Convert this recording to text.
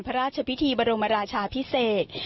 พระราชพิธีบรมราชาพิเศษ